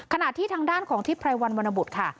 ขณะที่ทางด้านของทิศไพรวันวรรณบุตรค่ะ